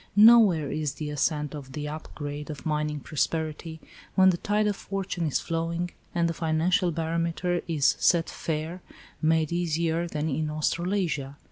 Nowhere is the ascent of the "up grade" of mining prosperity, when the tide of fortune is flowing, and the financial barometer is "set fair," made easier than in Australasia.